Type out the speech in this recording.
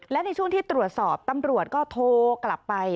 และในช่วงที่ตรวจสอบตำรวจก็โทรกลับไป